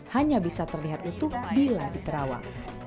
hanya bisa terlihat utuh bila diterawang